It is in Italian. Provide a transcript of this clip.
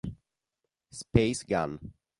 Space Gun